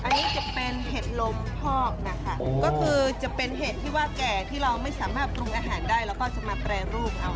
อันนี้จะเป็นเห็ดลมพอกนะคะก็คือจะเป็นเห็ดที่ว่าแก่ที่เราไม่สามารถปรุงอาหารได้เราก็จะมาแปรรูปเอา